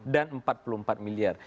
dan empat puluh empat miliar